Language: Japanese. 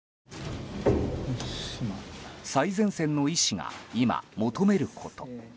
最前線の医師が今、求めること。